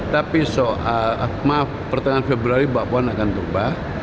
tapi soal maaf pertengahan februari mbak puan akan berubah